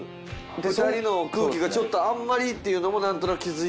２人の空気がちょっとあんまりっていうのも何となく気付いてたんすかね。